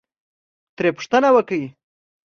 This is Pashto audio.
ترې پوښتنه وکړئ،